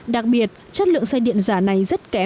đặc biệt chất lượng xe điện giả này rất kém